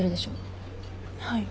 はい。